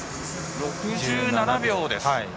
６７秒です。